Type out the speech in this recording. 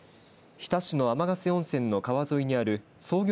日田市の天ヶ瀬温泉の川沿いにある創業